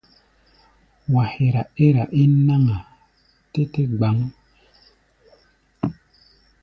Wa hɛra ɛ́r-a ín náŋ-a tɛ́ te gbáŋ.